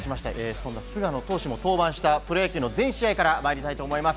そんな菅野投手も登板したプロ野球の全試合から参ります。